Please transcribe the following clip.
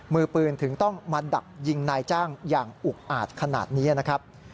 มือปืนถึงต้องมาดักยิงนายจ้างอย่างอุกอาจขนาดนี้นะครับ